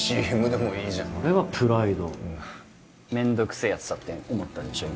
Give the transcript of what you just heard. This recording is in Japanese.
ＣＭでもいいじゃんそれはプライドうわめんどくせえやつだって思ったでしょ